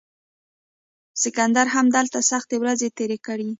سکندر هم دلته سختې ورځې تیرې کړې